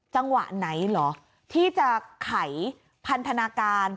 จังหวะไหนเหรอที่จะไขพันธนาการ